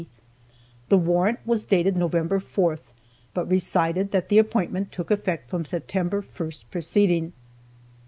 D. The warrant was dated November 4th, but recited that the appointment took effect from September 1st, preceding.